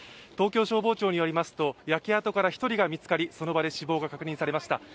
東京消防庁によりますと、焼け跡から１人が見つかりその場で死亡が確認されました。